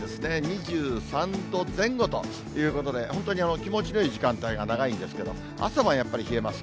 ２３度前後ということで、本当に気持ちのよい時間帯が長いんですけど、朝晩はやっぱり冷えます。